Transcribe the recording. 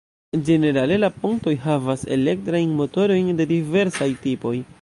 Ĝenerale la pontoj havas elektrajn motorojn de diversaj tipoj.